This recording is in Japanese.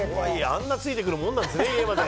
あんなついてくるもんなんだね、家まで。